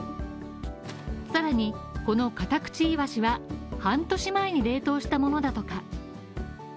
さらに、このカタクチイワシは半年前に冷凍したものだとか。